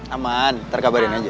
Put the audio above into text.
aman ntar kabarin aja